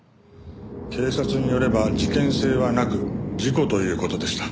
警察によれば事件性はなく事故という事でした。